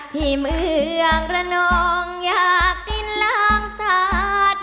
ที่เมืองระนองอยากกินล้างสาด